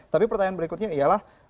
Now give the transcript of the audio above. tapi pertanyaan berikutnya ialah